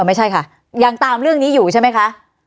ไม่ใช่ค่ะยังตามเรื่องนี้อยู่ใช่ไหมคะ